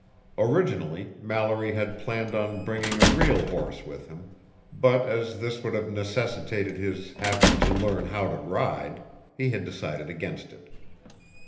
Originally, Mallory had planned on bringing a real horse with him, but as this would have necessitated his having to learn how to ride, he had decided against it.